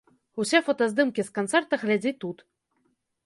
Усе фотаздымкі з канцэрта глядзі тут.